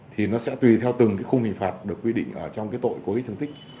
thì nó sẽ tùy theo từng cái khung hình phạt được quy định ở trong cái tội cố ý thường tích